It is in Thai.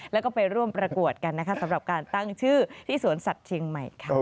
แล้วก็ไปร่วมประกวดกันนะคะสำหรับการตั้งชื่อที่สวนสัตว์เชียงใหม่ค่ะ